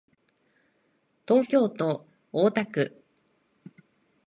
東京都大田区